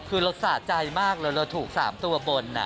คือเราสะใจมากเลยเราถูก๓ตัวบน